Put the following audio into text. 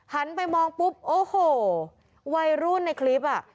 หันไปมองปุ๊บโอ้โหวัยรุ่นในคลิปอ่ะ